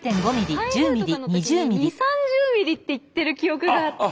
台風とかの時に２０３０ミリって言ってる記憶があって。